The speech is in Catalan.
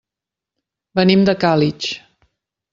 Venim de Càlig.